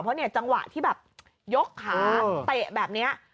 เพราะจังหวะที่ยกขาเตะแบบนี้